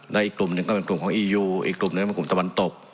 และอีกกลุ่มหนึ่งก็เป็นกลุ่มของอียูอีกกลุ่มหนึ่งเป็นกลุ่มตะวันตก